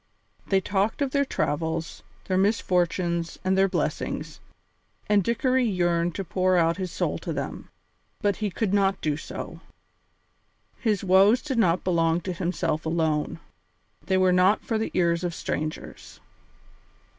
They talked of their travels, their misfortunes and their blessings, and Dickory yearned to pour out his soul to them, but he could not do so. His woes did not belong to himself alone; they were not for the ears of strangers.